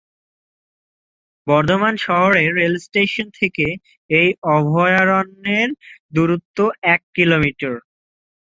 বর্ধমান শহরের রেলস্টেশন থেকে এই অভয়ারণ্যের দুরত্ব এক কিলোমিটার।